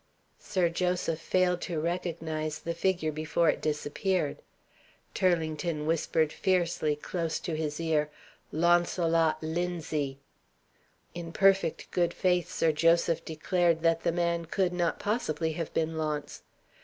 Sir Joseph failed to recognize the figure before it disappeared. Turlington whispered fiercely, close to his ear "Launcelot Linzie!" In perfect good faith Sir Joseph declared that the man could not possibly have been Launce.